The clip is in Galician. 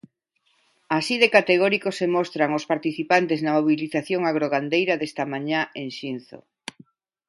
Así de categóricos se mostran os participantes na mobilización agrogandeira desta mañá en Xinzo.